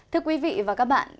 thưa quý vị và các bạn